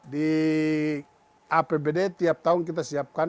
di apbd tiap tahun kita siapkan